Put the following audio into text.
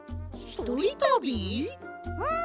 うん！